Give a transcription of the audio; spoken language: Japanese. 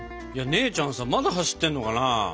姉ちゃんさまだ走ってんのかな。